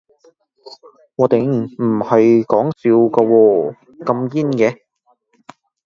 嘩頂，唔係講笑㗎喎，咁堅嘅